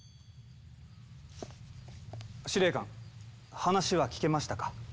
司令官話は聞けましたか？